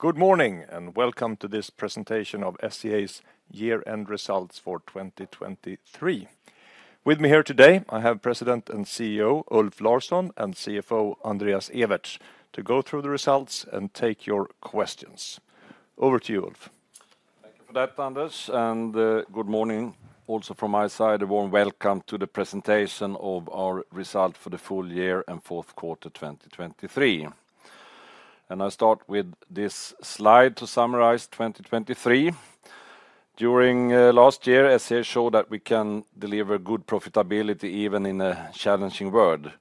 Good morning, and welcome to this presentation of SCA's year-end results for 2023. With me here today, I have President and CEO Ulf Larsson, and CFO Andreas Ewertz, to go through the results and take your questions. Over to you, Ulf. Thank you for that, Anders, and good morning also from my side. A warm welcome to the presentation of our result for the full year and fourth quarter, 2023. And I'll start with this slide to summarize 2023. During last year, SCA showed that we can deliver good profitability even in a challenging world.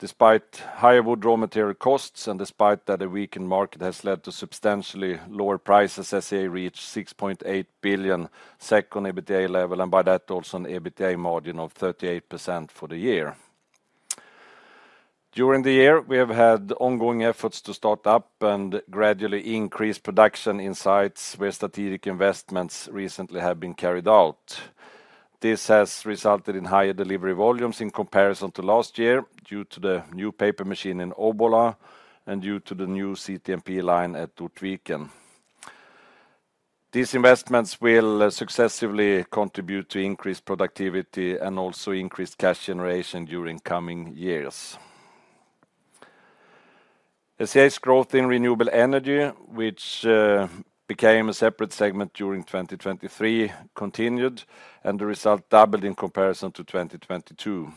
Despite higher wood raw material costs and despite that a weakened market has led to substantially lower prices, SCA reached 6.8 billion on EBITDA level, and by that, also an EBITDA margin of 38% for the year. During the year, we have had ongoing efforts to start up and gradually increase production in sites where strategic investments recently have been carried out. This has resulted in higher delivery volumes in comparison to last year, due to the new paper machine in Obbola and due to the new CTMP line at Ortviken. These investments will successively contribute to increased productivity and also increased cash generation during coming years. SCA's growth in renewable energy, which, became a separate segment during 2023, continued, and the result doubled in comparison to 2022.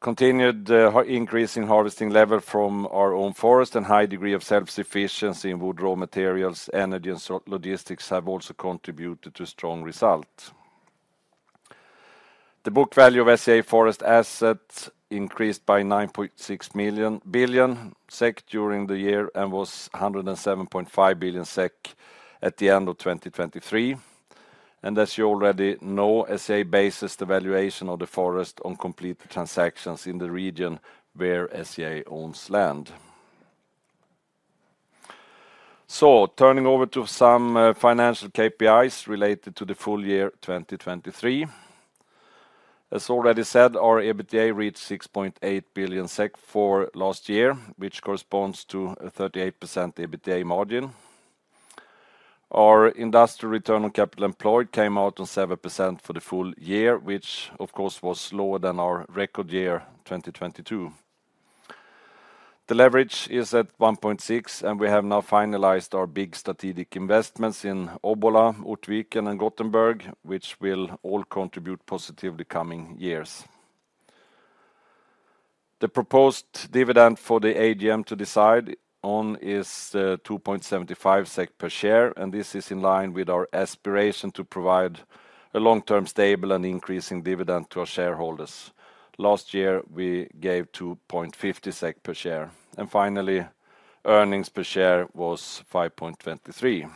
Continued, increase in harvesting level from our own forest and high degree of self-sufficiency in wood raw materials, energy, and so, logistics have also contributed to strong result. The book value of SCA forest assets increased by 9.6 billion SEK during the year and was 107.5 billion SEK at the end of 2023. And as you already know, SCA bases the valuation of the forest on complete transactions in the region where SCA owns land. So turning over to some financial KPIs related to the full year 2023. As already said, our EBITDA reached 6.8 billion SEK for last year, which corresponds to a 38% EBITDA margin. Our industrial return on capital employed came out on 7% for the full year, which of course, was lower than our record year 2022. The leverage is at 1.6, and we have now finalized our big strategic investments in Obbola, Ortviken, and Gothenburg, which will all contribute positively coming years. The proposed dividend for the AGM to decide on is 2.75 SEK per share, and this is in line with our aspiration to provide a long-term, stable, and increasing dividend to our shareholders. Last year, we gave 2.50 SEK per share, and finally, earnings per share was 5.23.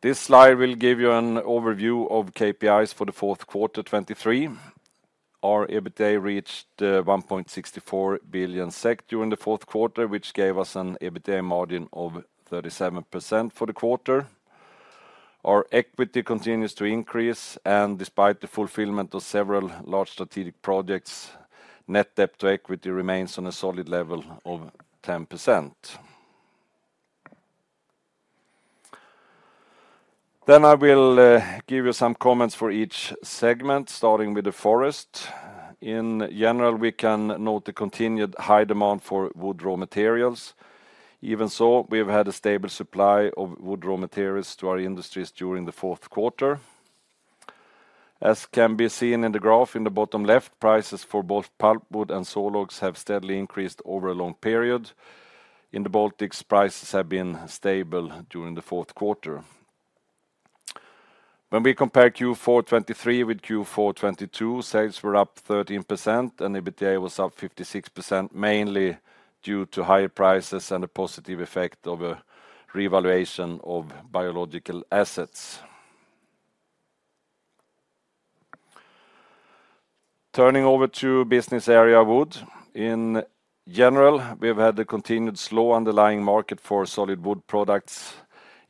This slide will give you an overview of KPIs for the fourth quarter 2023. Our EBITDA reached 1.64 billion SEK during the fourth quarter, which gave us an EBITDA margin of 37% for the quarter. Our equity continues to increase, and despite the fulfillment of several large strategic projects, net debt to equity remains on a solid level of 10%. Then I will give you some comments for each segment, starting with the forest. In general, we can note the continued high demand for wood raw materials. Even so, we've had a stable supply of wood raw materials to our industries during the fourth quarter. As can be seen in the graph in the bottom left, prices for both pulpwood and sawlogs have steadily increased over a long period. In the Baltics, prices have been stable during the fourth quarter. When we compare Q4 2023 with Q4 2022, sales were up 13, and EBITDA was up 56%, mainly due to higher prices and a positive effect of a revaluation of biological assets. Turning over to business area wood. In general, we've had a continued slow underlying market for solid wood products,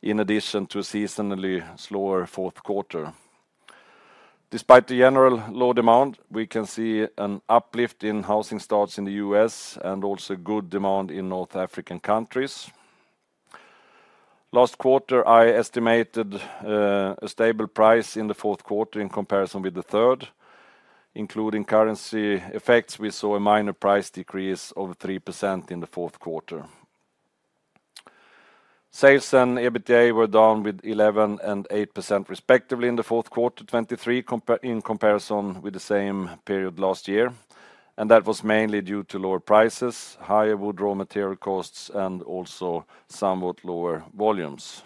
in addition to a seasonally slower fourth quarter. Despite the general low demand, we can see an uplift in housing starts in the U.S. and also good demand in North African countries. Last quarter, I estimated, a stable price in the fourth quarter in comparison with the third. Including currency effects, we saw a minor price decrease of 3% in the fourth quarter. Sales and EBITDA were down with 11% and 8%, respectively, in the fourth quarter 2023, in comparison with the same period last year, and that was mainly due to lower prices, higher wood raw material costs, and also somewhat lower volumes.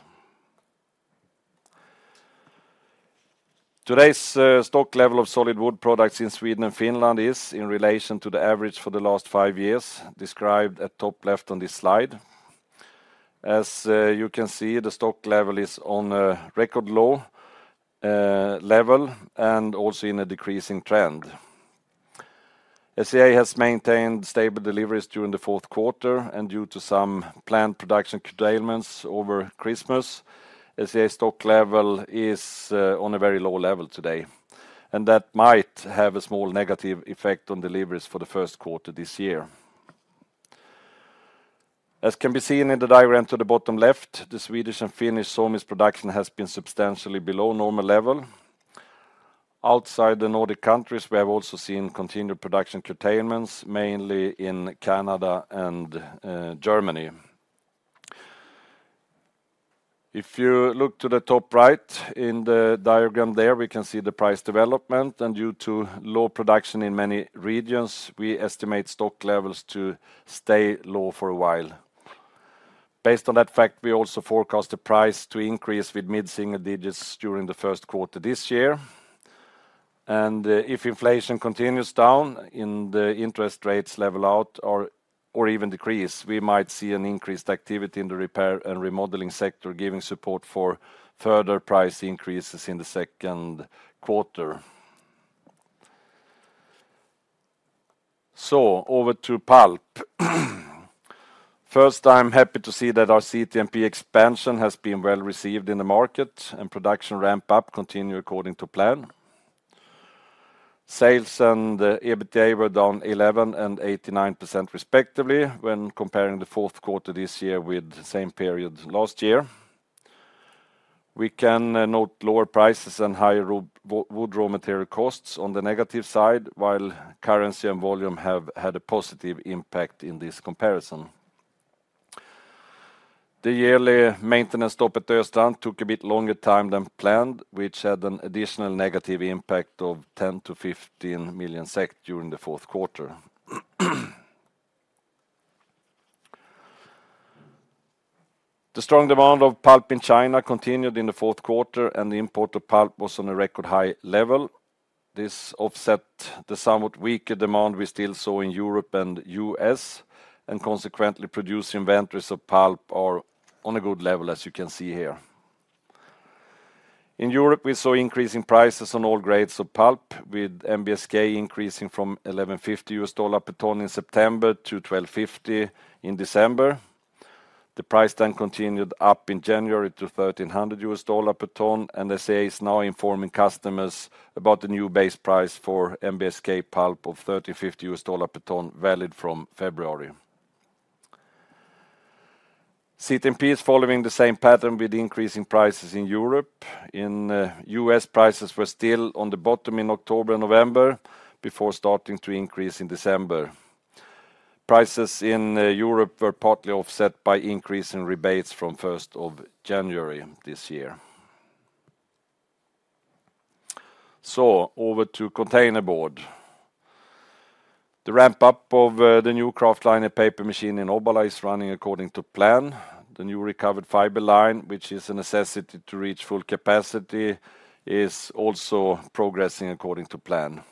Today's stock level of solid wood products in Sweden and Finland is, in relation to the average for the last five years, described at top left on this slide. As you can see, the stock level is on a record low level, and also in a decreasing trend. SCA has maintained stable deliveries during the fourth quarter, and due to some planned production curtailments over Christmas, SCA stock level is on a very low level today, and that might have a small negative effect on deliveries for the first quarter this year. As can be seen in the diagram to the bottom left, the Swedish and Finnish sawmills production has been substantially below normal level. Outside the Nordic countries, we have also seen continued production curtailments, mainly in Canada and Germany. If you look to the top right, in the diagram there, we can see the price development, and due to low production in many regions, we estimate stock levels to stay low for a while. Based on that fact, we also forecast the price to increase with mid single digits during the first quarter this year. If inflation continues down, and the interest rates level out, or even decrease, we might see an increased activity in the repair and remodeling sector, giving support for further price increases in the second quarter. So over to pulp. First, I'm happy to see that our CTMP expansion has been well received in the market, and production ramp up continue according to plan. Sales and EBITDA were down 11% and 89% respectively when comparing the fourth quarter this year with the same period last year. We can note lower prices and higher wood raw material costs on the negative side, while currency and volume have had a positive impact in this comparison. The yearly maintenance stop at Östrand took a bit longer time than planned, which had an additional negative impact of 10-15 million during the fourth quarter. The strong demand of pulp in China continued in the fourth quarter, and the import of pulp was on a record high level. This offset the somewhat weaker demand we still saw in Europe and U.S., and consequently, produced inventories of pulp are on a good level, as you can see here. In Europe, we saw increasing prices on all grades of pulp, with NBSK increasing from $1,150 per ton in September to $1,250 in December. The price then continued up in January to $1,300 per ton, and SCA is now informing customers about the new base price for NBSK pulp of $1,350 per ton, valid from February. CTMP is following the same pattern with increasing prices in Europe. In U.S., prices were still on the bottom in October and November, before starting to increase in December. Prices in Europe were partly offset by increase in rebates from first of January this year. So over to containerboard. The ramp up of the new Kraftliner paper machine in Obbola is running according to plan. The new recovered fiber line, which is a necessity to reach full capacity, is also progressing according to plan.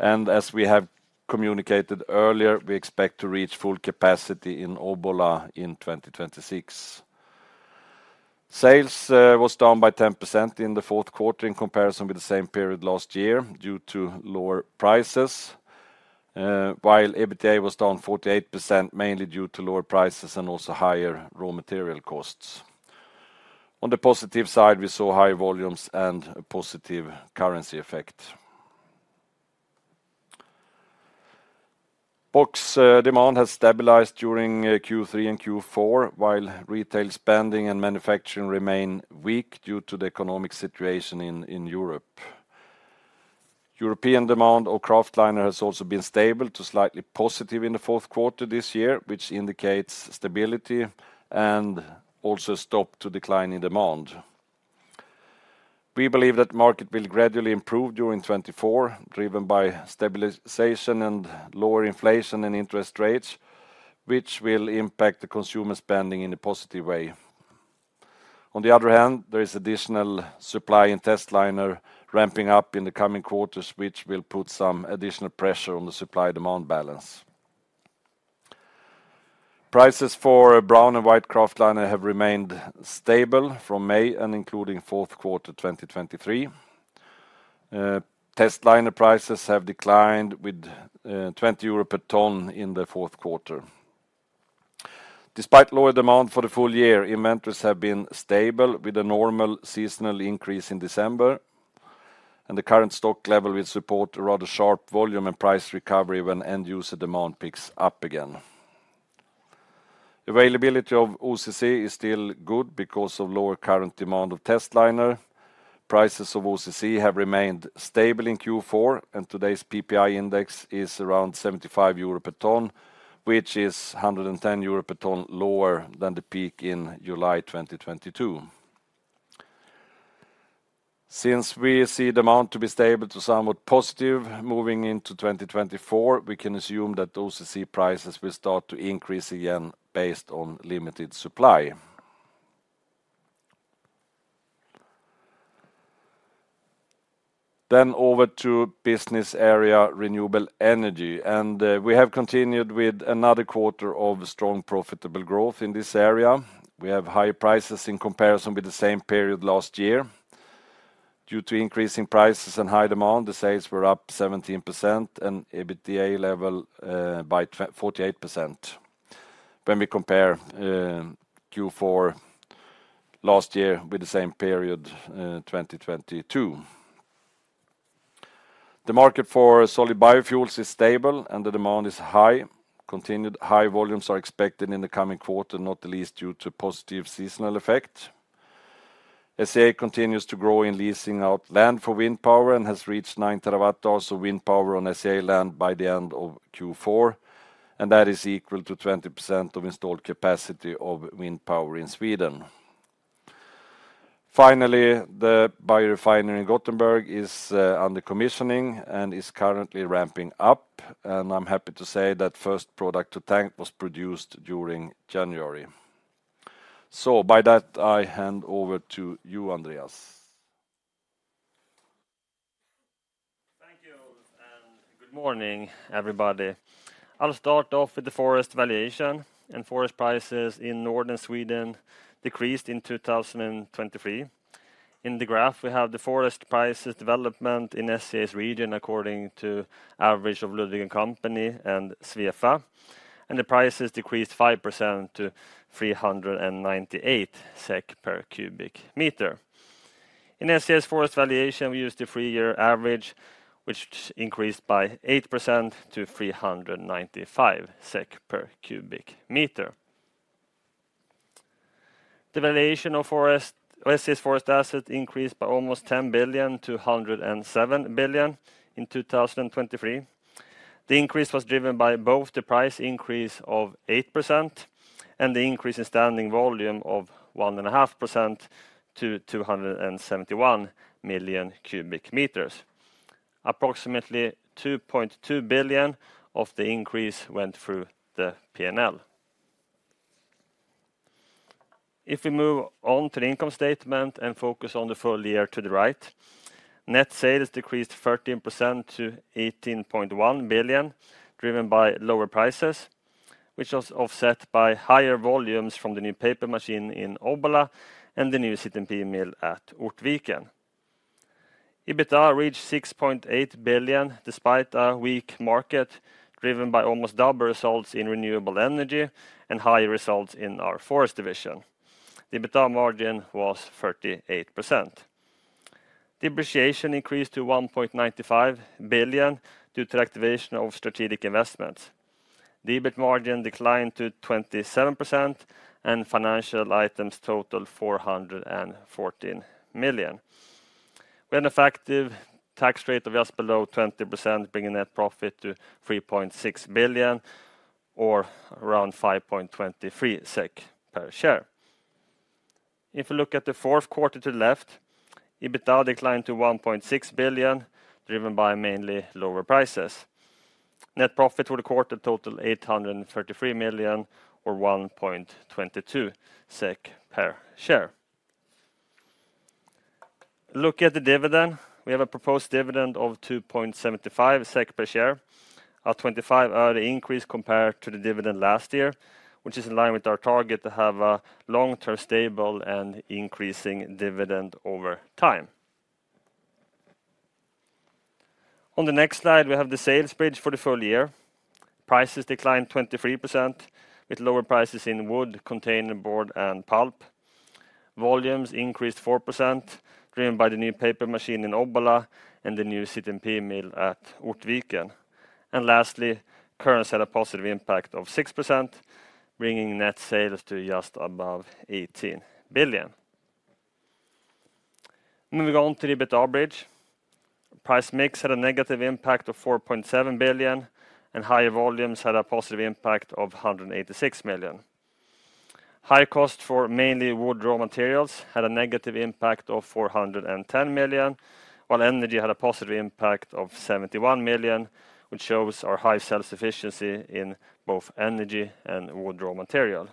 And as we have communicated earlier, we expect to reach full capacity in Obbola in 2026. Sales was down by 10% in the fourth quarter in comparison with the same period last year, due to lower prices, while EBITDA was down 48%, mainly due to lower prices and also higher raw material costs. On the positive side, we saw high volumes and a positive currency effect. Box demand has stabilized during Q3 and Q4, while retail spending and manufacturing remain weak due to the economic situation in Europe. European demand for kraftliner has also been stable to slightly positive in the fourth quarter this year, which indicates stability and also stop to decline in demand. We believe that market will gradually improve during 2024, driven by stabilization and lower inflation and interest rates, which will impact the consumer spending in a positive way. On the other hand, there is additional supply and testliner ramping up in the coming quarters, which will put some additional pressure on the supply-demand balance. Prices for brown and white kraftliner have remained stable from May and including fourth quarter, 2023. Testliner prices have declined with 20 euro per ton in the fourth quarter. Despite lower demand for the full year, inventories have been stable, with a normal seasonal increase in December, and the current stock level will support a rather sharp volume and price recovery when end-user demand picks up again. Availability of OCC is still good because of lower current demand of testliner. Prices of OCC have remained stable in Q4, and today's PPI index is around 75 euro per ton, which is 110 euro per ton lower than the peak in July 2022. Since we see the amount to be stable to somewhat positive moving into 2024, we can assume that those OCC prices will start to increase again based on limited supply. Then over to business area, renewable energy, and, we have continued with another quarter of strong, profitable growth in this area. We have high prices in comparison with the same period last year. Due to increasing prices and high demand, the sales were up 17% and EBITDA level by twenty-eight percent when we compare Q4 last year with the same period 2022. The market for solid biofuels is stable, and the demand is high. Continued high volumes are expected in the coming quarter, not the least due to positive seasonal effect. SCA continues to grow in leasing out land for wind power and has reached 9 terawatt hours of wind power on SCA land by the end of Q4, and that is equal to 20% of installed capacity of wind power in Sweden. Finally, the biorefinery in Gothenburg is under commissioning and is currently ramping up, and I'm happy to say that first product to tank was produced during January. So by that, I hand over to you, Andreas. Thank you, and good morning, everybody. I'll start off with the forest valuation, and forest prices in northern Sweden decreased in 2023. In the graph, we have the forest prices development in SCA's region, according to average of Ludvig & Co and Svefa, and the prices decreased 5% to 398 SEK per cubic meter. In SCA's forest valuation, we used the three-year average, which increased by 8% to 395 SEK per cubic meter. The valuation of SCA's forest asset increased by almost 10 billion to 107 billion in 2023. The increase was driven by both the price increase of 8% and the increase in standing volume of 1.5% to 271 million cubic meters. Approximately 2.2 billion of the increase went through the P&L. If we move on to the income statement and focus on the full year to the right, net sales decreased 13% to 18.1 billion, driven by lower prices, which was offset by higher volumes from the new paper machine in Obbola and the new CTMP mill at Ortviken. EBITDA reached 6.8 billion, despite a weak market, driven by almost double results in renewable energy and high results in our forest division. The EBITDA margin was 38%. Depreciation increased to 1.95 billion due to activation of strategic investments. The EBIT margin declined to 27%, and financial items totaled 414 million. We had an effective tax rate of just below 20%, bringing net profit to 3.6 billion, or around 5.23 SEK per share. If you look at the fourth quarter to the left, EBITDA declined to 1.6 billion, driven by mainly lower prices. Net profit for the quarter totaled 833 million or 1.22 SEK per share. Look at the dividend. We have a proposed dividend of 2.75 SEK per share, a 25% increase compared to the dividend last year, which is in line with our target to have a long-term, stable, and increasing dividend over time. On the next slide, we have the sales bridge for the full year. Prices declined 23%, with lower prices in wood, containerboard, and pulp. Volumes increased 4%, driven by the new paper machine in Obbola and the new CTMP mill at Ortviken. Lastly, currency had a positive impact of 6%, bringing net sales to just above 18 billion. Moving on to the EBITDA bridge. Price mix had a negative impact of 4.7 billion, and higher volumes had a positive impact of 186 million. High cost for mainly wood raw materials had a negative impact of 410 million, while energy had a positive impact of 71 million, which shows our high self-sufficiency in both energy and wood raw material.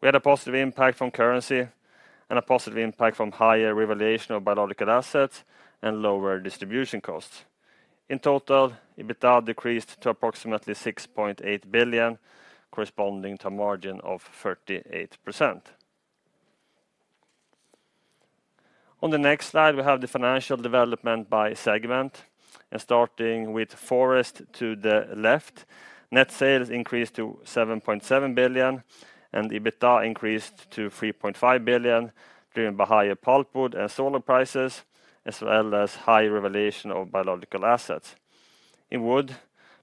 We had a positive impact from currency and a positive impact from higher revaluation of biological assets and lower distribution costs. In total, EBITDA decreased to approximately 6.8 billion, corresponding to a margin of 38%. On the next slide, we have the financial development by segment, and starting with forest to the left, net sales increased to 7.7 billion, and EBITDA increased to 3.5 billion, driven by higher pulpwood and sawlog prices, as well as high revaluation of biological assets. In wood,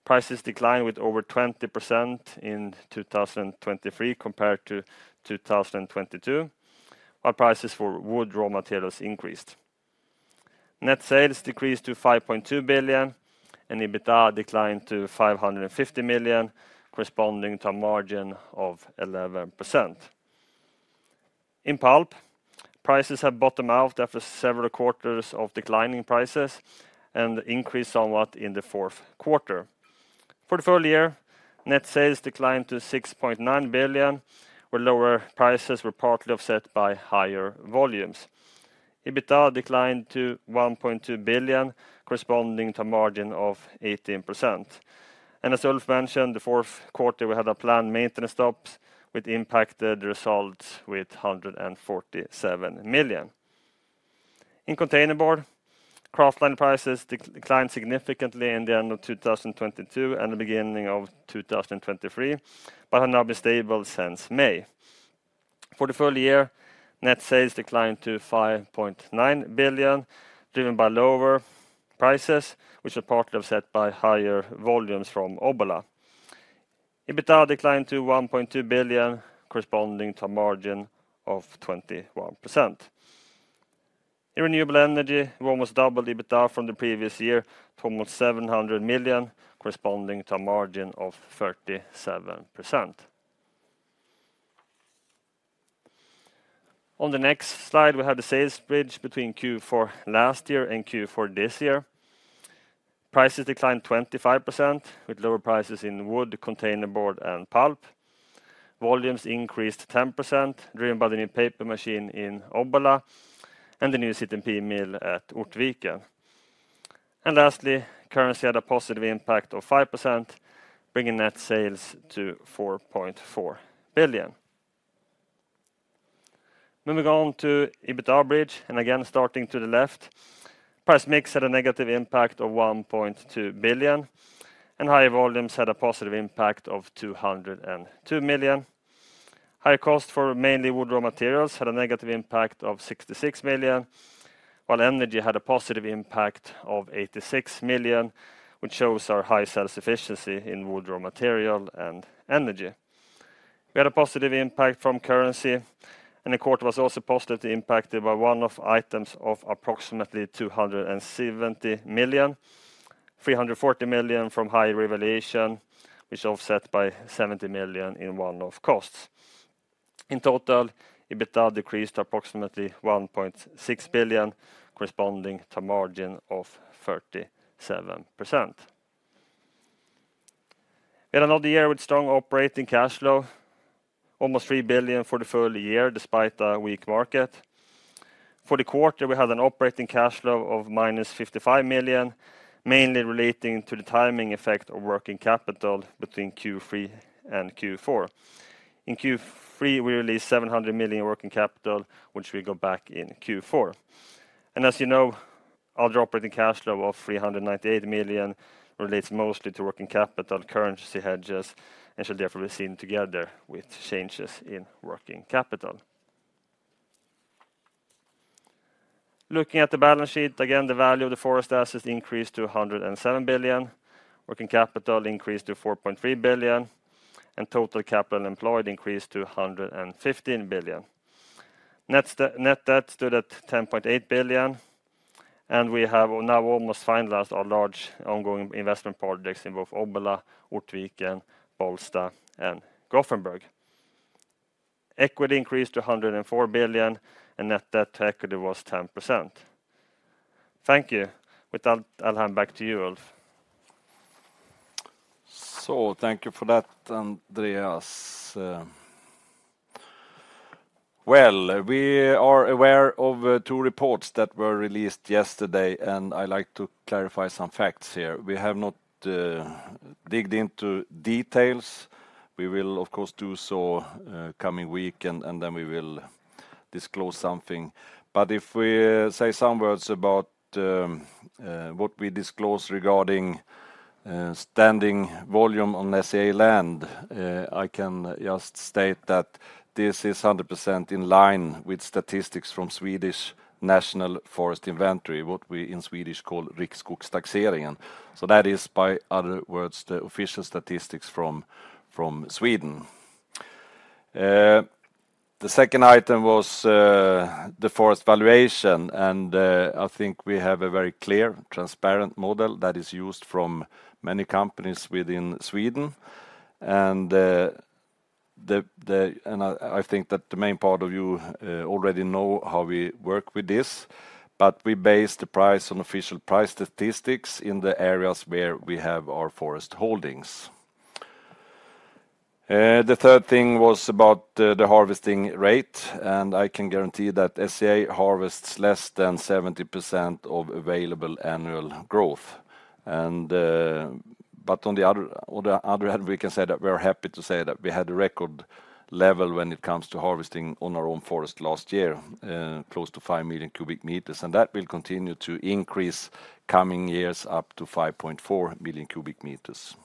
prices declined with over 20% in 2023 compared to 2022, while prices for wood raw materials increased. Net sales decreased to 5.2 billion, and EBITDA declined to 550 million, corresponding to a margin of 11%. In pulp, prices have bottomed out after several quarters of declining prices and increased somewhat in the fourth quarter. For the full year, net sales declined to 6.9 billion, where lower prices were partly offset by higher volumes. EBITDA declined to 1.2 billion, corresponding to a margin of 18%. As Ulf mentioned, the fourth quarter, we had a planned maintenance stop, which impacted the results with 147 million. In containerboard, kraftliner prices declined significantly in the end of 2022 and the beginning of 2023, but have now been stable since May. For the full year, net sales declined to 5.9 billion, driven by lower prices, which are partly offset by higher volumes from Obbola. EBITDA declined to 1.2 billion, corresponding to a margin of 21%. In renewable energy, we almost doubled EBITDA from the previous year to almost 700 million, corresponding to a margin of 37%. On the next slide, we have the sales bridge between Q4 last year and Q4 this year. Prices declined 25%, with lower prices in wood, containerboard, and pulp. Volumes increased 10%, driven by the new paper machine in Obbola and the new CTMP mill at Ortviken. Lastly, currency had a positive impact of 5%, bringing net sales to 4.4 billion. Moving on to EBITDA bridge, and again, starting to the left, price mix had a negative impact of 1.2 billion, and higher volumes had a positive impact of 202 million. Higher cost for mainly wood raw materials had a negative impact of 66 million, while energy had a positive impact of 86 million, which shows our high sales efficiency in wood raw material and energy. We had a positive impact from currency, and the quarter was also positively impacted by one-off items of approximately 270 million, 340 million from high revaluation, which is offset by 70 million in one-off costs. In total, EBITDA decreased approximately 1.6 billion, corresponding to a margin of 37%. We had another year with strong operating cash flow, almost 3 billion for the full year, despite a weak market. For the quarter, we had an operating cash flow of -55 million, mainly relating to the timing effect of working capital between Q3 and Q4. In Q3, we released 700 million in working capital, which will go back in Q4. And as you know, our operating cash flow of 398 million relates mostly to working capital, currency hedges, and should therefore be seen together with changes in working capital. Looking at the balance sheet, again, the value of the forest assets increased to 107 billion, working capital increased to 4.3 billion, and total capital employed increased to 115 billion. Net debt stood at 10.8 billion, and we have now almost finalized our large ongoing investment projects in both Obbola, Ortviken, Bollsta, and Gothenburg. Equity increased to 104 billion, and net debt to equity was 10%. Thank you. With that, I'll hand back to you, Ulf. So thank you for that, Andreas. Well, we are aware of two reports that were released yesterday, and I like to clarify some facts here. We have not dug into details. We will, of course, do so coming week, and then we will disclose something. But if we say some words about what we disclose regarding standing volume on SCA land, I can just state that this is 100% in line with statistics from Swedish National Forest Inventory, what we in Swedish call Riksskogstaxeringen. So that is, in other words, the official statistics from Sweden. The second item was the forest valuation, and I think we have a very clear, transparent model that is used from many companies within Sweden. I think that the main part of you already know how we work with this, but we base the price on official price statistics in the areas where we have our forest holdings. The third thing was about the harvesting rate, and I can guarantee that SCA harvests less than 70% of available annual growth. But on the other hand, we can say that we are happy to say that we had a record level when it comes to harvesting on our own forest last year, close to 5 million cubic meters, and that will continue to increase coming years up to 5.4 billion cubic meters.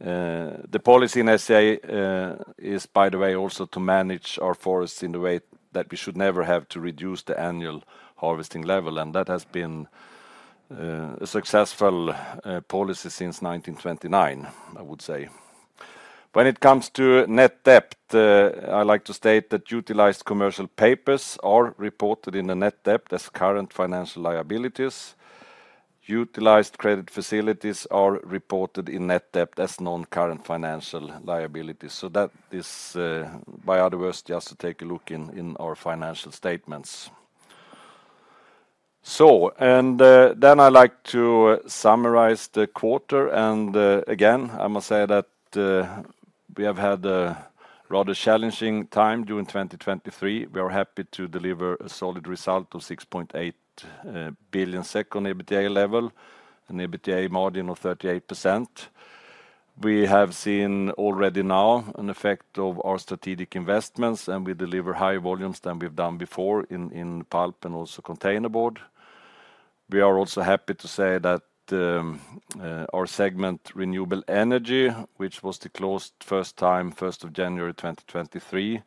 The policy in SCA, by the way, is also to manage our forests in a way that we should never have to reduce the annual harvesting level, and that has been a successful policy since 1929, I would say. When it comes to net debt, I like to state that utilized commercial papers are reported in the net debt as current financial liabilities. Utilized credit facilities are reported in net debt as non-current financial liabilities. So that is, by other words, just to take a look in our financial statements. So, and, then I like to summarize the quarter, and again, I must say that we have had a rather challenging time during 2023. We are happy to deliver a solid result of 6.8 billion on EBITDA level, an EBITDA margin of 38%. We have seen already now an effect of our strategic investments, and we deliver higher volumes than we've done before in pulp and also containerboard. We are also happy to say that our segment, Renewable Energy, which was the closed first time, first of January 2023,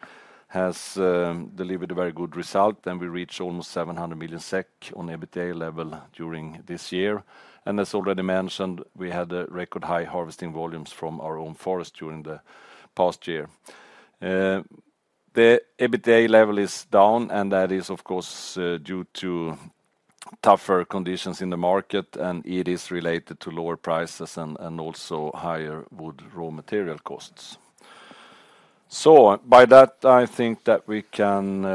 has delivered a very good result, and we reached almost 700 million SEK on EBITDA level during this year. And as already mentioned, we had a record high harvesting volumes from our own forest during the past year. The EBITDA level is down, and that is, of course, due to tougher conditions in the market, and it is related to lower prices and also higher wood raw material costs. So by that, I think that we can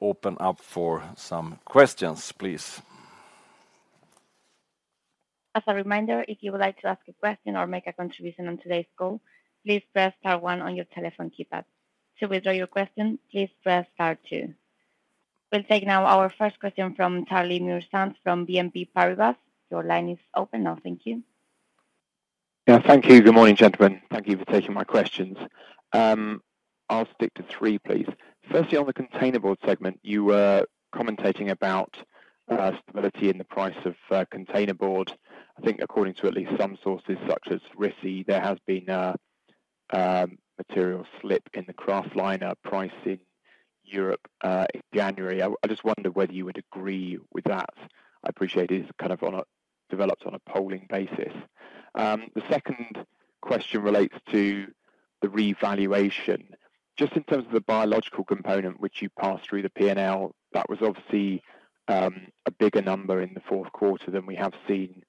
open up for some questions, please. As a reminder, if you would like to ask a question or make a contribution on today's call, please press star one on your telephone keypad. To withdraw your question, please press star two. We'll take now our first question from Charlie Muir-Sands from BNP Paribas. Your line is open now. Thank you. Yeah, thank you. Good morning, gentlemen. Thank you for taking my questions. I'll stick to three, please. Firstly, on the containerboard segment, you were commentating about stability in the price of containerboard. I think according to at least some sources, such as RISI, there has been a material slip in the kraftliner price in Europe in January. I just wonder whether you would agree with that. I appreciate it's kind of on a developed on a polling basis. The second question relates to the revaluation. Just in terms of the biological component, which you passed through the P&L, that was obviously a bigger number in the fourth quarter than we have seen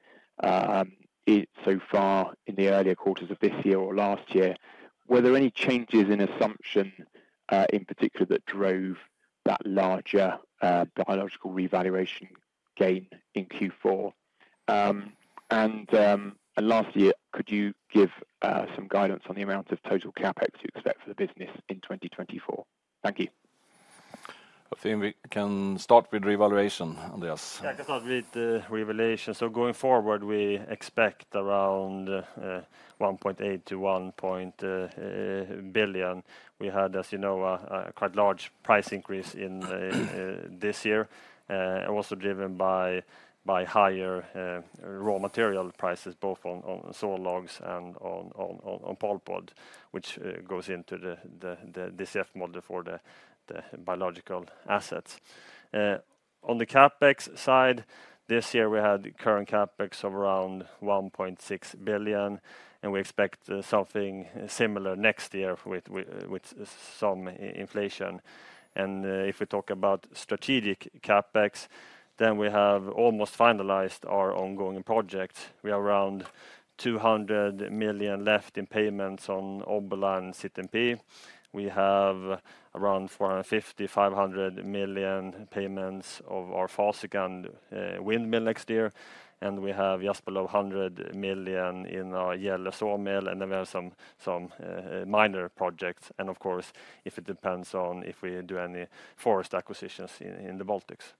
it so far in the earlier quarters of this year or last year. Were there any changes in assumption, in particular, that drove that larger biological revaluation gain in Q4? And lastly, could you give some guidance on the amount of total CapEx you expect for the business in 2024? Thank you. I think we can start with revaluation, Andreas. Yeah, I can start with the revaluation. So going forward, we expect around 1.8 billion to 1 billion. We had, as you know, a quite large price increase in this year, and also driven by higher raw material prices, both on saw logs and on pulpwood, which goes into the CF model for the biological assets. On the CapEx side, this year, we had current CapEx of around 1.6 billion, and we expect something similar next year with some inflation. And if we talk about strategic CapEx, then we have almost finalized our ongoing project. We have around 200 million left in payments on Obbola and CTMP. We have around 450 million-500 million payments of our Fasikan and windmill next year, and we have just below 100 million in our Gällö sawmill, and then we have some minor projects. And of course, if it depends on if we do any forest acquisitions in the Baltics.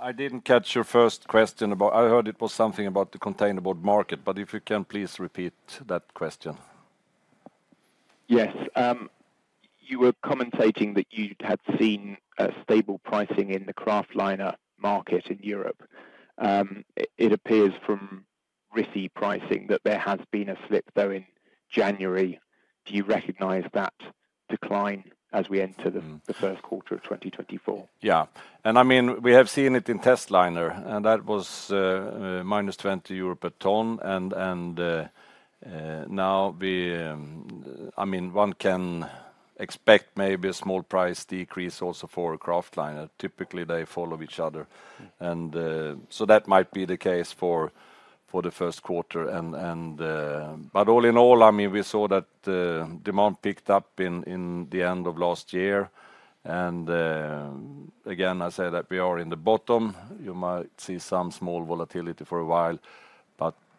I didn't catch your first question about... I heard it was something about the containerboard market, but if you can, please repeat that question. Yes. You were commenting that you had seen a stable pricing in the kraftliner market in Europe. It appears from RISI pricing that there has been a slip, though, in January. Do you recognize that decline as we enter the- Mm... the first quarter of 2024? Yeah. And I mean, we have seen it in testliner, and that was minus 20 euro per ton. And now we, I mean, one can expect maybe a small price decrease also for kraftliner. Typically, they follow each other. And so that might be the case for the first quarter. But all in all, I mean, we saw that demand picked up in the end of last year. And again, I say that we are in the bottom. You might see some small volatility for a while,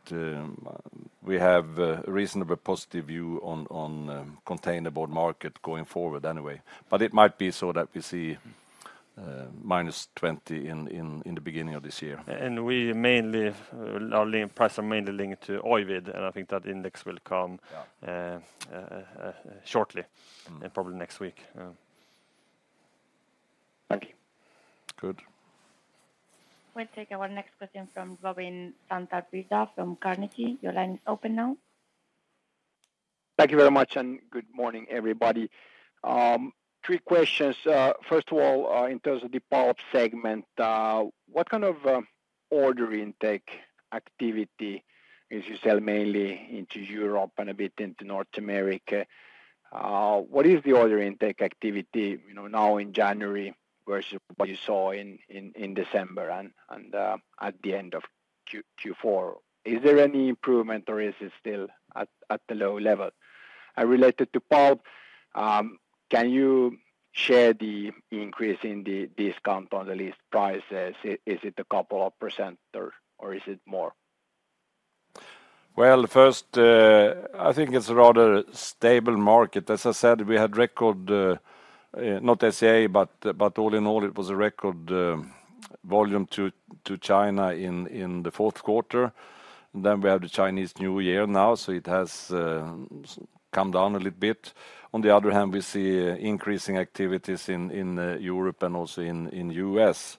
but we have a reasonable positive view on the containerboard market going forward anyway. But it might be so that we see minus 20 EUR in the beginning of this year. We mainly, our link price are mainly linked to OCC, and I think that index will come- Yeah... shortly. Mm. Probably next week. Thank you. Good. We'll take our next question from Robin Santavirta from Carnegie. Your line is open now. Thank you very much, and good morning, everybody. Three questions. First of all, in terms of the pulp segment, what kind of order intake activity, if you sell mainly into Europe and a bit into North America, what is the order intake activity, you know, now in January, versus what you saw in December and at the end of Q4? Is there any improvement or is it still at the low level? And related to pulp, can you share the increase in the discount on the list prices? Is it a couple of % or is it more? Well, first, I think it's a rather stable market. As I said, we had record, not SCA, but all in all, it was a record volume to China in the fourth quarter. Then we have the Chinese New Year now, so it has come down a little bit. On the other hand, we see increasing activities in Europe and also in U.S.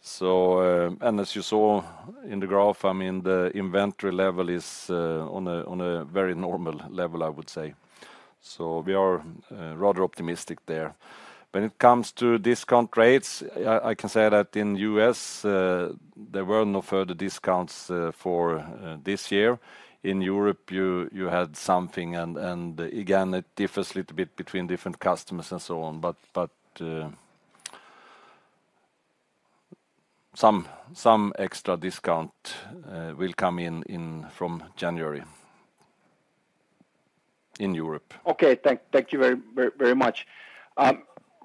So, and as you saw in the graph, I mean, the inventory level is on a very normal level, I would say. So we are rather optimistic there. When it comes to discount rates, I can say that in U.S., there were no further discounts for this year. In Europe, you had something and again, it differs a little bit between different customers and so on, but some extra discount will come in from January in Europe. Okay, thank you very much.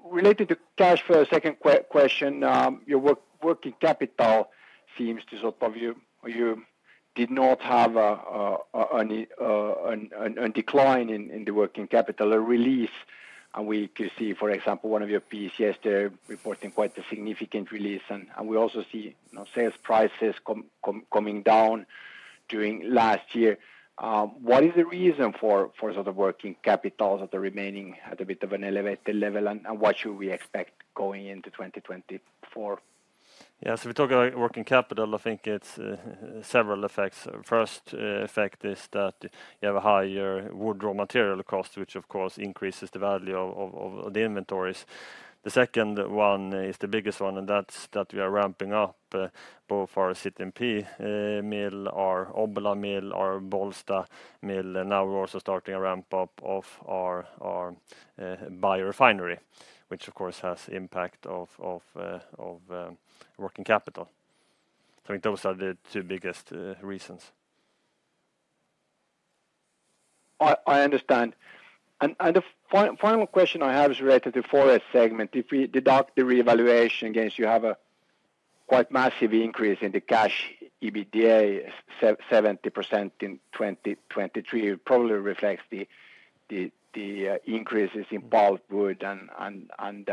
Related to cash flow, second question, your working capital seems to sort of, you did not have a decline in the working capital, a release. And we could see, for example, one of your peers, they're reporting quite a significant release, and we also see, you know, sales prices coming down during last year. What is the reason for sort of working capital remaining at a bit of an elevated level? And what should we expect going into 2024? Yeah, so if we talk about working capital, I think it's several effects. First effect is that you have a higher wood raw material cost, which of course increases the value of the inventories. The second one is the biggest one, and that's that we are ramping up both our CTMP mill, our Obbola mill, our Bollsta mill, and now we're also starting a ramp up of our biorefinery, which of course has impact of working capital. I think those are the two biggest reasons. I understand. The final question I have is related to forest segment. If we deduct the revaluation against, you have a quite massive increase in the cash EBITDA, 70% in 2023. It probably reflects the increases in pulpwood and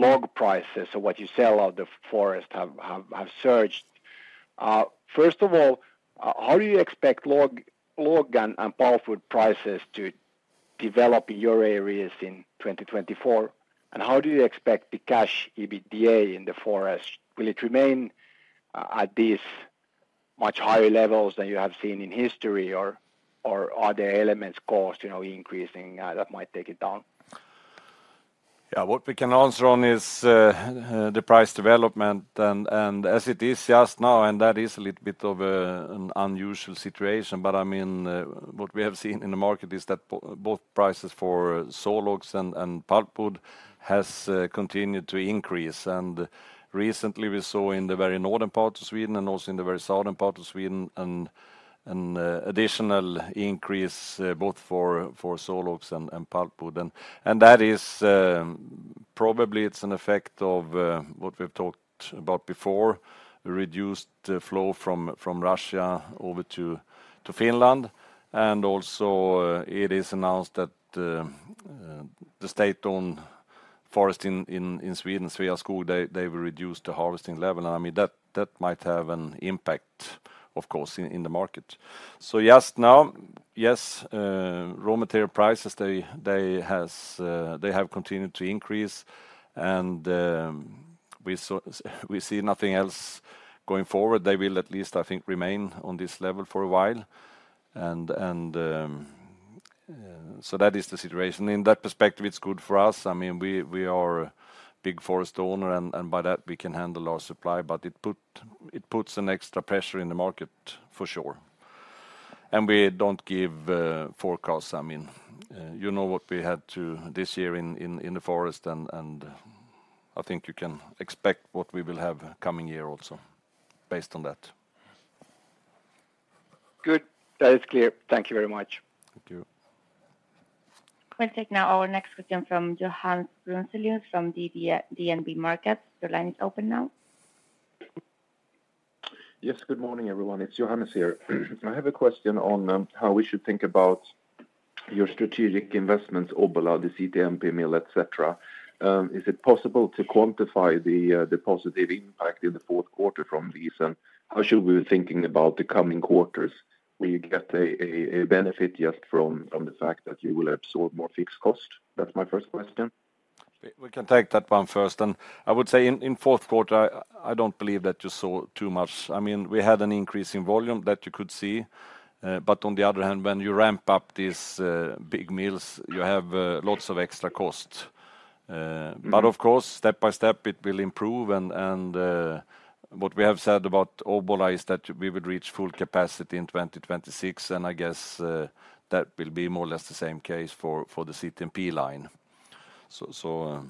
log prices. So what you sell out the forest has surged. First of all, how do you expect log and pulpwood prices to develop in your areas in 2024? And how do you expect the cash EBITDA in the forest? Will it remain at this much higher levels than you have seen in history, or are there elements cost, you know, increasing that might take it down? Yeah, what we can answer on is the price development, and as it is just now, and that is a little bit of an unusual situation. But I mean, what we have seen in the market is that both prices for sawlogs and pulpwood has continued to increase. And recently, we saw in the very northern part of Sweden and also in the very southern part of Sweden an additional increase both for sawlogs and pulpwood. And that is probably it's an effect of what we've talked about before, reduced flow from Russia over to Finland. And also, it is announced that the state-owned forest in Sweden, Sveaskog, they will reduce the harvesting level. I mean, that might have an impact, of course, in the market. So just now, yes, raw material prices, they have continued to increase, and we see nothing else going forward. They will at least, I think, remain on this level for a while. So that is the situation. In that perspective, it's good for us. I mean, we are a big forest owner, and by that, we can handle our supply, but it puts an extra pressure in the market for sure. And we don't give forecasts. I mean, you know what we had to this year in the forest, and I think you can expect what we will have coming year also based on that. Good. That is clear. Thank you very much. Thank you. We'll take now our next question from Johannes Brunsell from DNB Markets. Your line is open now. Yes, good morning, everyone. It's Johannes here. I have a question on how we should think about your strategic investments, Obbola, the CTMP mill, et cetera. Is it possible to quantify the positive impact in the fourth quarter from these? And how should we be thinking about the coming quarters? Will you get a benefit just from the fact that you will absorb more fixed cost? That's my first question. We can take that one first. And I would say in fourth quarter, I don't believe that you saw too much. I mean, we had an increase in volume that you could see, but on the other hand, when you ramp up these big mills, you have lots of extra costs. Mm-hmm. But of course, step by step, it will improve, and what we have said about Obbola is that we would reach full capacity in 2026, and I guess that will be more or less the same case for the CTMP line. So...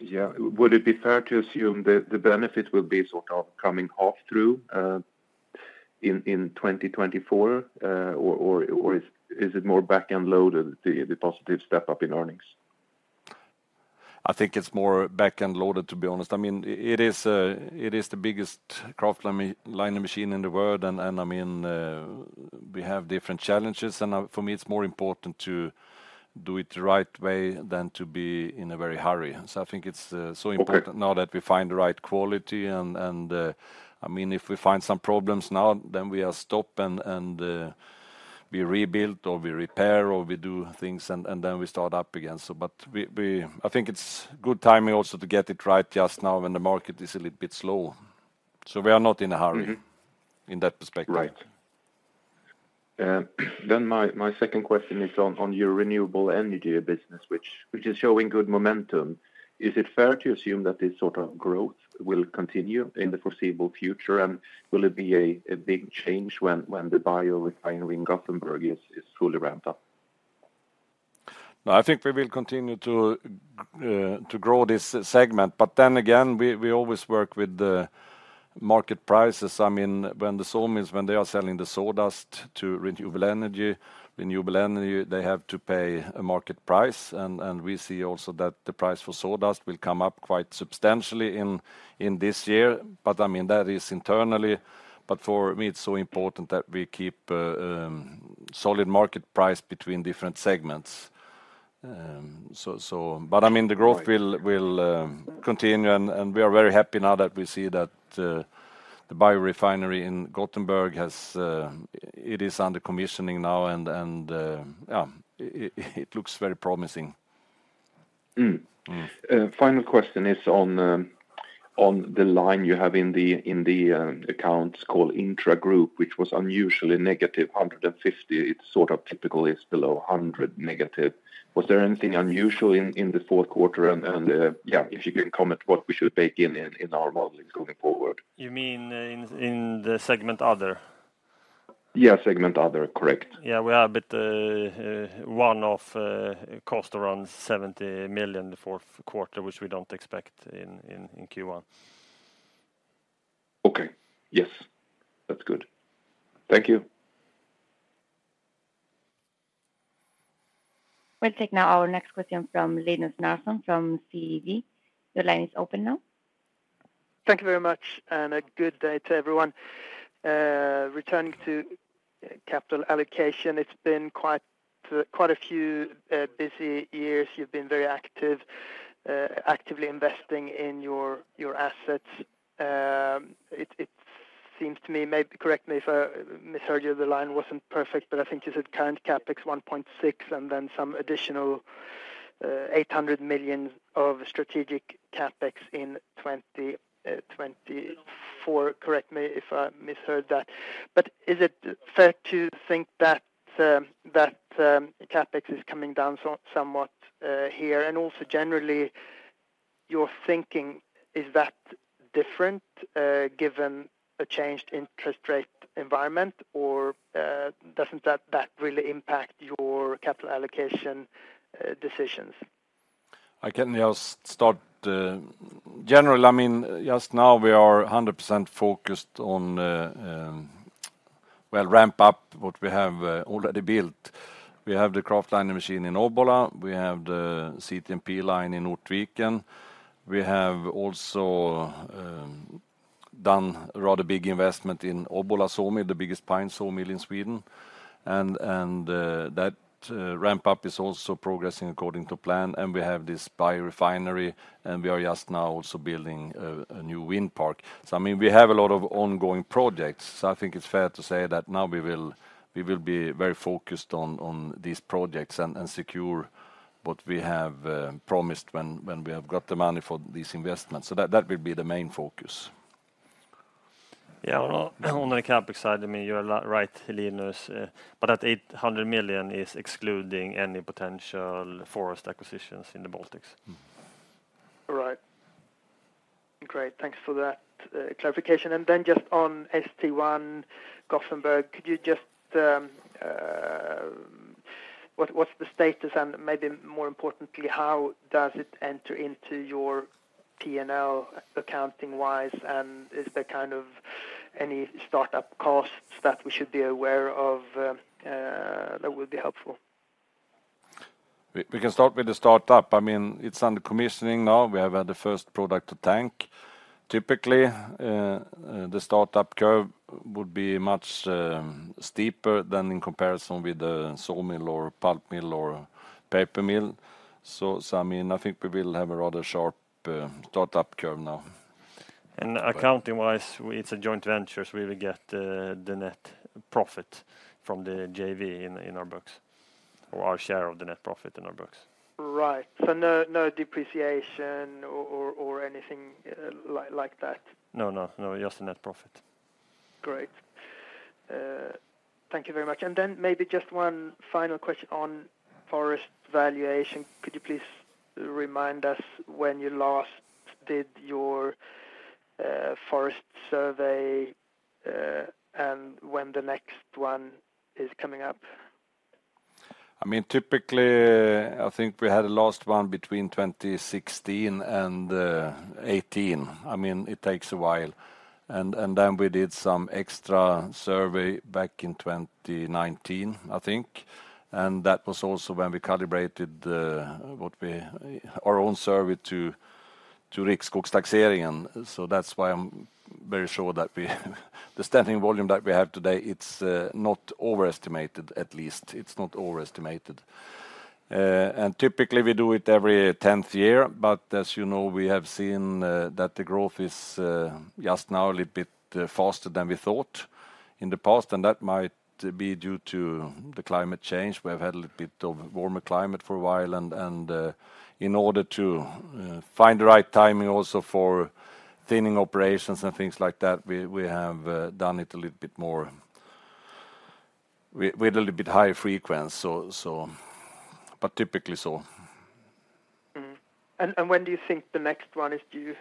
Yeah. Would it be fair to assume the benefit will be sort of coming half through in 2024? Or is it more back-end loaded, the positive step-up in earnings? I think it's more back-end loaded, to be honest. I mean, it is, it is the biggest kraftliner machine in the world, and, and I mean, we have different challenges. And, for me, it's more important to do it the right way than to be in a very hurry. So I think it's, so important- Okay... now that we find the right quality and, and, I mean, if we find some problems now, then we are stop, and, and,... we rebuilt or we repair, or we do things, and, and then we start up again. So but we, we - I think it's good timing also to get it right just now when the market is a little bit slow. So we are not in a hurry- Mm-hmm. in that perspective. Right. Then my second question is on your renewable energy business, which is showing good momentum. Is it fair to assume that this sort of growth will continue in the foreseeable future? And will it be a big change when the biorefinery in Gothenburg is fully ramped up? No, I think we will continue to, to grow this segment, but then again, we, we always work with the market prices. I mean, when the sawmills, when they are selling the sawdust to renewable energy, renewable energy, they have to pay a market price, and, and we see also that the price for sawdust will come up quite substantially in, in this year. But I mean, that is internally, but for me, it's so important that we keep solid market price between different segments. So, so, but I mean, the growth- Right... will continue, and we are very happy now that we see that the biorefinery in Gothenburg, it is under commissioning now, and yeah, it looks very promising. Mm. Mm. Final question is on the line you have in the accounts called intragroup, which was unusually -150. It's sort of typically it's below -100. Was there anything unusual in the fourth quarter? If you can comment what we should bake in our modeling going forward? You mean in the segment other? Yeah, segment other, correct. Yeah, we have a bit of one-off cost around 70 million in the fourth quarter, which we don't expect in Q1. Okay. Yes, that's good. Thank you. We'll take now our next question from Linus Larsson from SEB. Your line is open now. Thank you very much, and a good day to everyone. Returning to capital allocation, it's been quite a few busy years. You've been very active, actively investing in your assets. It seems to me, maybe correct me if I misheard you, the line wasn't perfect, but I think you said current CapEx 1.6 billion, and then some additional 800 million of strategic CapEx in 2024. Correct me if I misheard that. But is it fair to think that CapEx is coming down somewhat here? And also generally, your thinking, is that different given a changed interest rate environment, or doesn't that really impact your capital allocation decisions? I can just start, I mean, just now, we are 100% focused on, well, ramp up what we have already built. We have the Kraftliner machine in Obbola. We have the CTMP line in Ortviken. We have also done a rather big investment in Obbola Sawmill, the biggest pine sawmill in Sweden, and that ramp up is also progressing according to plan, and we have this biorefinery, and we are just now also building a new wind park. So I mean, we have a lot of ongoing projects, so I think it's fair to say that now we will, we will be very focused on these projects and secure what we have promised when we have got the money for these investments. So that will be the main focus. Yeah, on the CapEx side, I mean, you're right, Linus, but that 800 million is excluding any potential forest acquisitions in the Baltics. All right. Great, thanks for that, clarification. And then just on St1 Gothenburg, could you just, what, what's the status? And maybe more importantly, how does it enter into your P&L, accounting-wise, and is there kind of any start-up costs that we should be aware of, that would be helpful? We can start with the start-up. I mean, it's under commissioning now. We have had the first product to tank. Typically, the start-up curve would be much steeper than in comparison with the sawmill or pulp mill or paper mill. So I mean, I think we will have a rather sharp start-up curve now. Accounting-wise, it's a joint venture, so we will get the net profit from the JV in our books, or our share of the net profit in our books. Right. So no depreciation or anything like that? No, no, no, just the net profit. Great. Thank you very much. And then maybe just one final question on forest valuation. Could you please remind us when you last did your forest survey, and when the next one is coming up? I mean, typically, I think we had the last one between 2016 and 2018. I mean, it takes a while, and then we did some extra survey back in 2019, I think, and that was also when we calibrated what we... Our own survey to Riksskogstaxeringen, so that's why I'm very sure that we, the standing volume that we have today, it's not overestimated at least. It's not overestimated. And typically we do it every tenth year, but as you know, we have seen that the growth is just now a little bit faster than we thought in the past, and that might be due to the climate change. We have had a little bit of warmer climate for a while, and in order to find the right timing also for thinning operations and things like that, we have done it a little bit more with a little bit higher frequency, so but typically so. Mm-hmm. And, and when do you think the next one is due?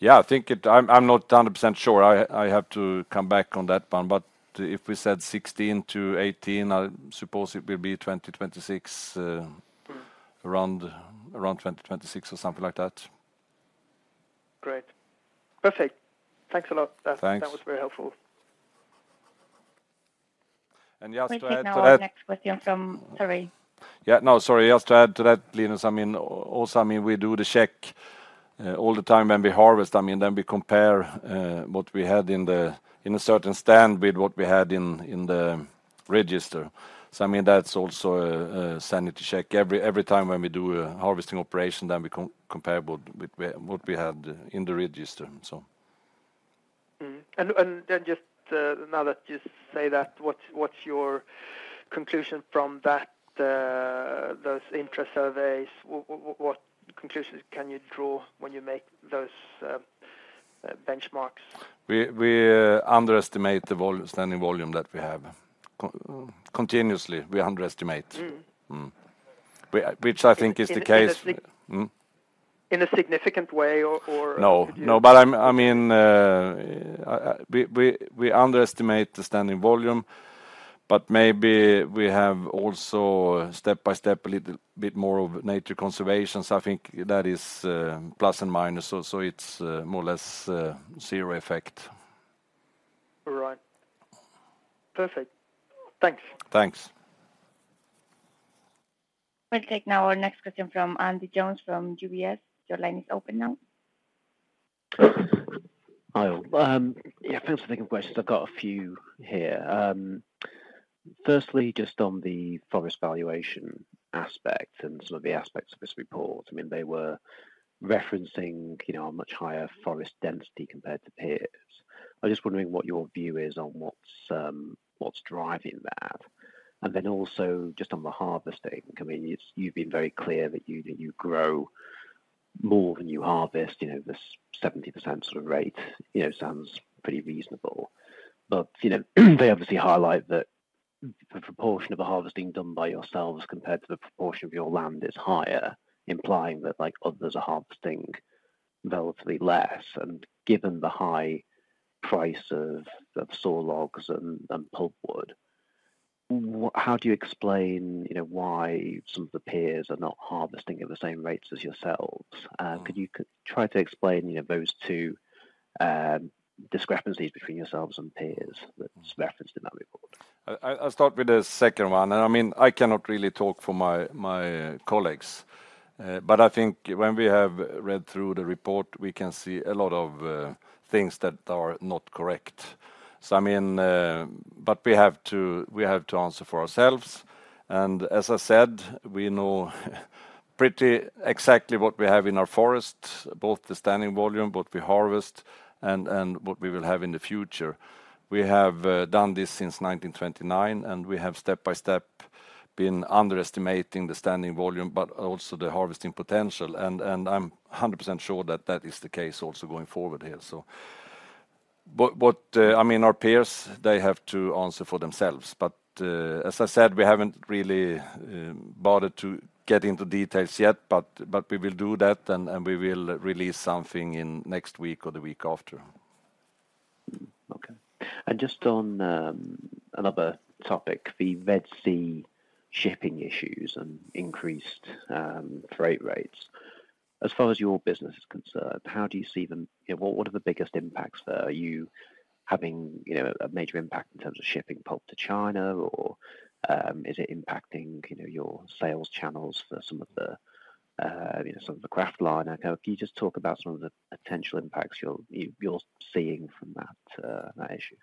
Yeah, I think it. I'm, I'm not 100% sure. I, I have to come back on that one, but if we said 16-18, I suppose it will be 2026. Mm-hmm. around 2026 or something like that. Great. Perfect. Thanks a lot. Thanks. That was very helpful. And just to add to that. We take now our next question from Terry. Yeah. No, sorry. Just to add to that, Linus, I mean, also, I mean, we do the check all the time when we harvest. I mean, then we compare what we had in the in a certain stand with what we had in the register. So I mean, that's also a sanity check. Every time when we do a harvesting operation, then we compare what we had in the register, so. Mm-hmm. And then just, now that you say that, what, what's your conclusion from that, those interest surveys? What conclusions can you draw when you make those, benchmarks? We underestimate the standing volume that we have. Continuously, we underestimate. Mm-hmm. Mm-hmm. Which I think is the case- In a sig- Hmm? In a significant way, No, no. But I'm, I mean, we underestimate the Standing Volume, but maybe we have also, step by step, a little bit more of nature conservation. So I think that is plus and minus, so it's more or less zero effect. All right. Perfect. Thanks. Thanks. We'll take now our next question from Andy Jones, from UBS. Your line is open now. Hi. Yeah, thanks for taking questions. I've got a few here. First, just on the forest valuation aspect and some of the aspects of this report. I mean, they were referencing, you know, a much higher forest density compared to peers. I'm just wondering what your view is on what's driving that? And then also, just on the harvesting, I mean, it's you've been very clear that you grow more than you harvest, you know, this 70% sort of rate, you know, sounds pretty reasonable. But, you know, they obviously highlight that the proportion of the harvesting done by yourselves compared to the proportion of your land is higher, implying that, like, others are harvesting relatively less. Given the high price of saw logs and pulpwood, how do you explain, you know, why some of the peers are not harvesting at the same rates as yourselves? Could you try to explain, you know, those two discrepancies between yourselves and peers that's referenced in that report? I'll start with the second one, and I mean, I cannot really talk for my colleagues, but I think when we have read through the report, we can see a lot of things that are not correct. So, I mean, but we have to answer for ourselves, and as I said, we know pretty exactly what we have in our forest, both the standing volume, what we harvest, and what we will have in the future. We have done this since 1929, and we have, step by step, been underestimating the standing volume, but also the harvesting potential, and I'm 100% sure that that is the case also going forward here, so. But I mean, our peers, they have to answer for themselves, but as I said, we haven't really bothered to get into details yet, but we will do that, and we will release something in next week or the week after. Mm-hmm. Okay. And just on another topic, the Red Sea shipping issues and increased freight rates. As far as your business is concerned, how do you see them? Yeah, what are the biggest impacts there? Are you having, you know, a major impact in terms of shipping pulp to China, or is it impacting, you know, your sales channels for some of the, you know, some of the Kraftliner? Can you just talk about some of the potential impacts you're seeing from that issue?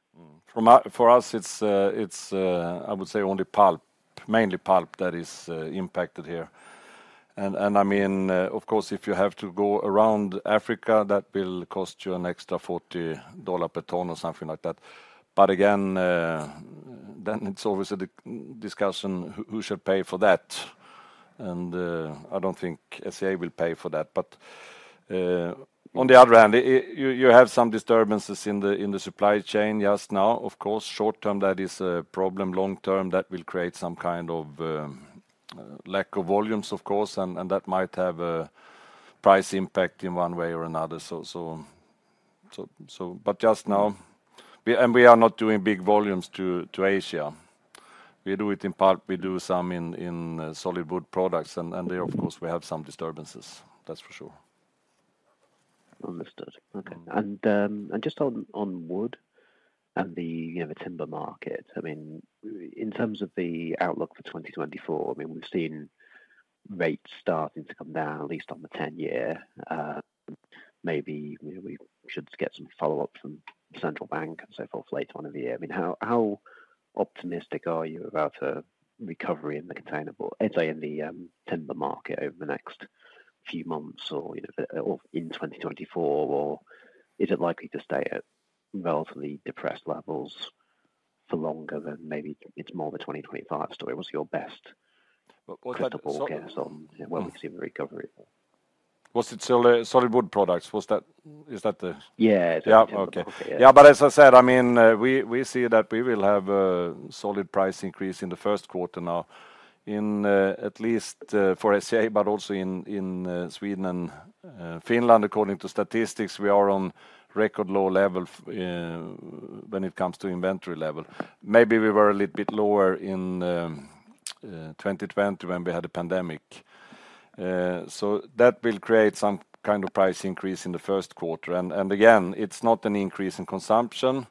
For us, it's, I would say, only pulp, mainly pulp that is impacted here. I mean, of course, if you have to go around Africa, that will cost you an extra $40 per ton or something like that. But again, then it's always a discussion, who should pay for that? And I don't think SCA will pay for that. But on the other hand, you have some disturbances in the supply chain just now, of course. Short term, that is a problem. Long term, that will create some kind of lack of volumes, of course, and that might have a price impact in one way or another. But just now, we... And we are not doing big volumes to Asia. We do it in pulp. We do some in solid wood products, and there, of course, we have some disturbances, that's for sure. Understood. Okay. And just on wood and the, you know, the timber market, I mean, in terms of the outlook for 2024, I mean, we've seen rates starting to come down, at least on the 10-year.... maybe, you know, we should get some follow-up from central bank and so forth later on in the year. I mean, how, how optimistic are you about a recovery in the container or say, in the, timber market over the next few months, or, you know, or in 2024? Or is it likely to stay at relatively depressed levels for longer than maybe it's more of a 2025 story? What's your best crystal ball guess on when we see the recovery? Was it still, solid wood products? Was that, is that the- Yeah. Yeah. Okay. Yeah. Yeah, but as I said, I mean, we see that we will have solid price increase in the first quarter now, in at least for SCA, but also in Sweden and Finland. According to statistics, we are on record low level when it comes to inventory level. Maybe we were a little bit lower in 2020 when we had a pandemic. So that will create some kind of price increase in the first quarter, and again, it's not an increase in consumption.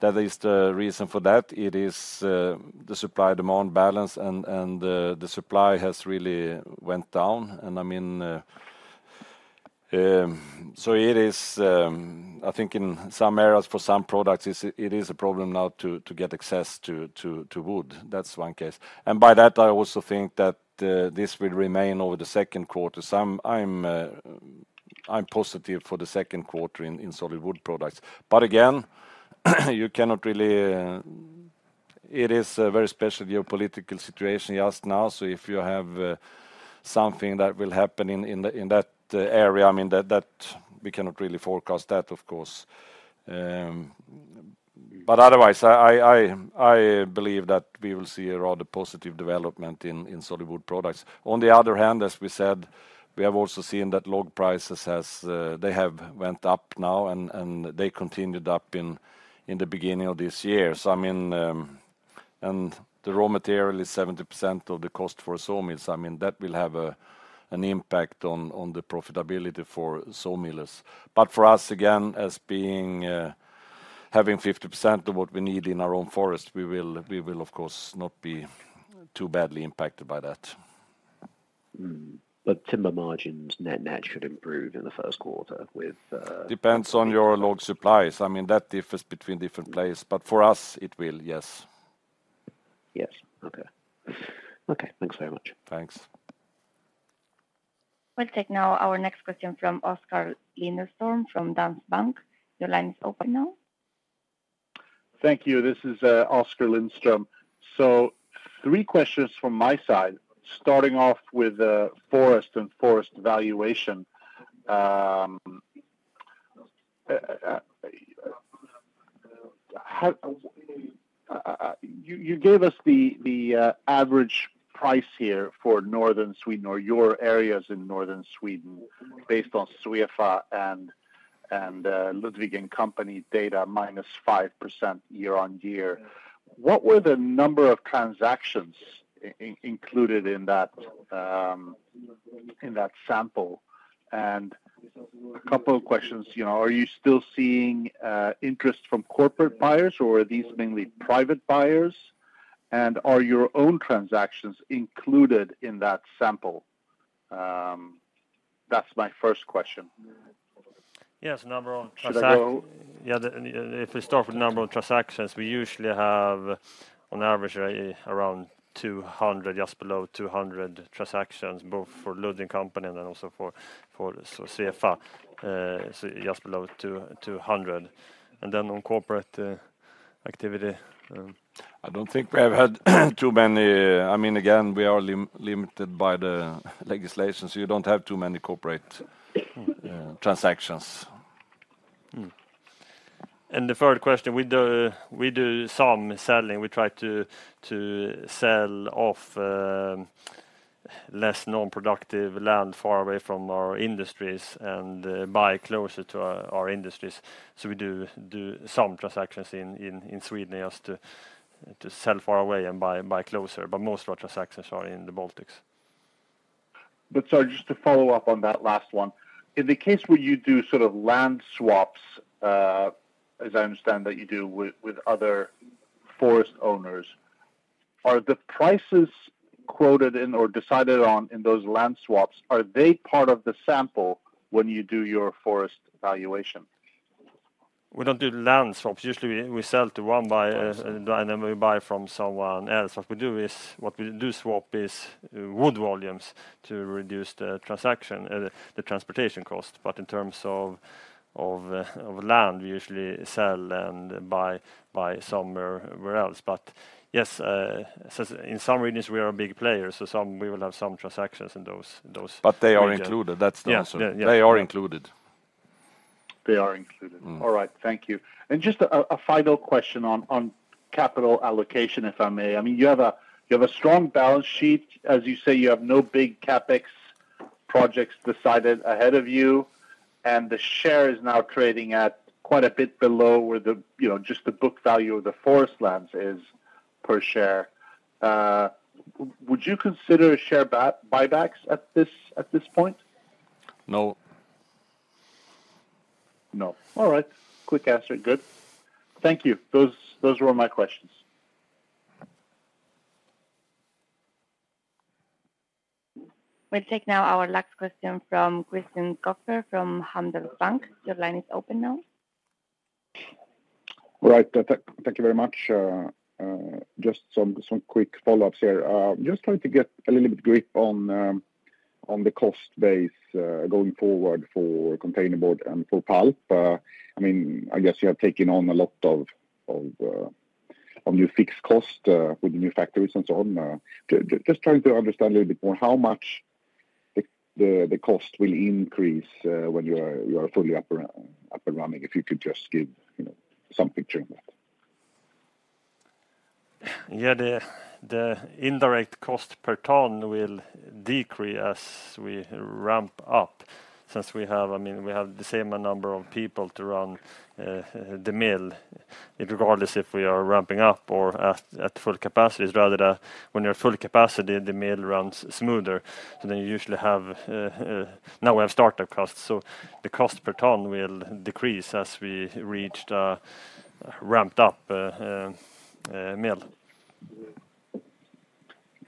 That is the reason for that. It is the supply-demand balance and the supply has really went down, and I mean, so it is, I think in some areas for some products, it's a problem now to get access to wood. That's one case. By that, I also think that this will remain over the second quarter. So I'm positive for the second quarter in solid wood products. But again, you cannot really... It is a very special geopolitical situation just now. So if you have something that will happen in that area, I mean, that we cannot really forecast that, of course. But otherwise, I believe that we will see a rather positive development in solid wood products. On the other hand, as we said, we have also seen that log prices has they have went up now and they continued up in the beginning of this year. So I mean, and the raw material is 70% of the cost for a sawmills. I mean, that will have an impact on the profitability for sawmills. But for us, again, as being having 50% of what we need in our own forest, we will, of course, not be too badly impacted by that. Hmm. But timber margins net-net should improve in the first quarter with, Depends on your log supplies. I mean, that differs between different places, but for us, it will, yes. Yes. Okay. Okay, thanks very much. Thanks. We'll take now our next question from Oscar Lindström, from Danske Bank. Your line is open now. Thank you. This is Oskar Lindström. So 3 questions from my side, starting off with forest and forest valuation. How you gave us the average price here for Northern Sweden or your areas in Northern Sweden, based on Svefa and Ludvig and Company data, minus 5% year-on-year. What were the number of transactions included in that sample? And a couple of questions, you know, are you still seeing interest from corporate buyers, or are these mainly private buyers? And are your own transactions included in that sample? That's my first question. Yes, number of transactions- Should I go? Yeah, if we start with the number of transactions, we usually have, on average, around 200, just below 200 transactions, both for Ludvig & Co and then also for Svefa, so just below 200. And then on corporate activity, I don't think we have had too many. I mean, again, we are limited by the legislation, so you don't have too many corporate, Hmm... transactions. And the third question, we do some selling. We try to sell off less non-productive land far away from our industries and buy closer to our industries. So we do some transactions in Sweden, just to sell far away and buy closer, but most of our transactions are in the Baltics. Sorry, just to follow up on that last one. In the case where you do sort of land swaps, as I understand that you do with other forest owners, are the prices quoted in or decided on in those land swaps part of the sample when you do your forest valuation? We don't do land swaps. Usually, we sell to one buyer, and then we buy from someone else. What we do is, what we do swap is wood volumes to reduce the transaction, the transportation cost. But in terms of land, we usually sell and buy somewhere else. But yes, so in some regions, we are a big player, so we will have some transactions in those, in those- But they are included. That's the answer. Yeah. Yeah, yeah. They are included. They are included. Hmm. All right, thank you. And just a final question on capital allocation, if I may. I mean, you have a strong balance sheet. As you say, you have no big CapEx projects decided ahead of you, and the share is now trading at quite a bit below where the, you know, just the book value of the forest lands is per share. Would you consider share buybacks at this point? No. No. All right. Quick answer. Good. Thank you. Those, those were my questions. We'll take now our last question from Christian Kopfer from Handelsbanken. Your line is open now. All right, thank you very much. Just some quick follow-ups here. Just trying to get a little bit grip on the cost base going forward for containerboard and for pulp. I mean, I guess you have taken on a lot of new fixed cost with the new factories and so on. Just trying to understand a little bit more, how much the cost will increase when you are fully up and running, if you could just give, you know, some picture in that? Yeah, the indirect cost per ton will decrease as we ramp up, since we have—I mean, we have the same number of people to run the mill, regardless if we are ramping up or at full capacity. It's rather that when you're at full capacity, the mill runs smoother, so then you usually have, now we have startup costs, so the cost per ton will decrease as we reach the ramped up mill. Yeah,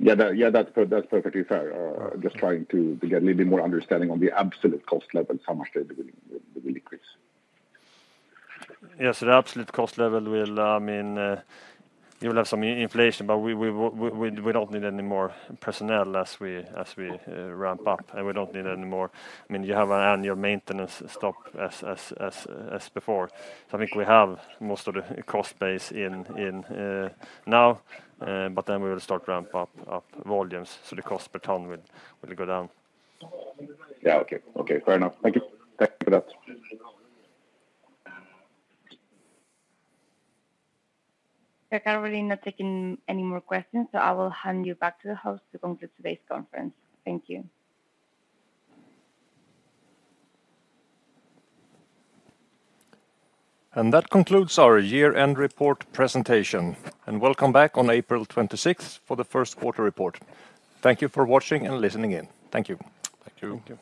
that, yeah, that's perfectly fair. Just trying to get a little bit more understanding on the absolute cost level, how much they will decrease? Yes, the absolute cost level will, I mean, you will have some inflation, but we don't need any more personnel as we ramp up, and we don't need any more. I mean, you have an annual maintenance stop as before. So I think we have most of the cost base in now, but then we will start to ramp up volumes, so the cost per ton will go down. Yeah, okay. Okay, fair enough. Thank you. Thank you for that. We're currently not taking any more questions, so I will hand you back to the host to conclude today's conference. Thank you. That concludes our year-end report presentation, and welcome back on April 26th for the first quarter report. Thank you for watching and listening in. Thank you. Thank you. Thank you.